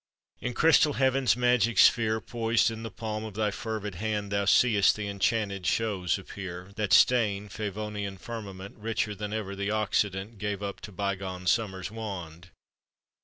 In crystal Heaven's magic sphere Poised in the palm of thy fervid hand, Thou seest the enchanted shows appear That stain Favonian firmament; Richer than ever the Occident Gave up to bygone Summer's wand.